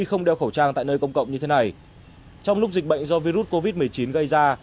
không đeo khẩu trang tại nơi công cộng như thế này trong lúc dịch bệnh do virus covid một mươi chín gây ra